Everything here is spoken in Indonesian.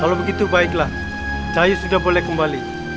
kalau begitu baiklah cahayu sudah boleh kembali